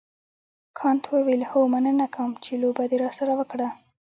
کانت وویل هو مننه کوم چې لوبه دې راسره وکړه.